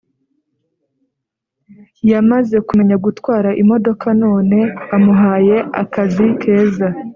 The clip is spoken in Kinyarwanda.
Yamaze kumenya gutwara imodoka none amuhaye akazi keza